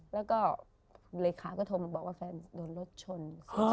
แล้วก็ราคาจะโทรมาบอกว่าแฟนไปได้โรงงานรสชน